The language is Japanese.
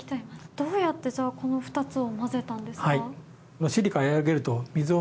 どうやってこの２つを混ぜたんですか？